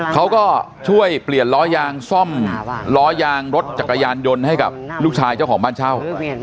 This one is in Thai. เขาก็ช่วยเปลี่ยนล้อยางซ่อมล้อยางรถจักรยานยนต์ให้กับลูกชายเจ้าของบ้านเช่า